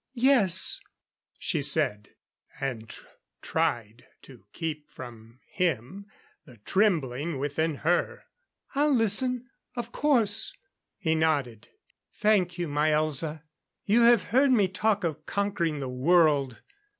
"Yes," she said; and tried to keep from him the trembling within her. "I'll listen, of course." He nodded. "Thank you.... My Elza, you have heard me talk of conquering the world.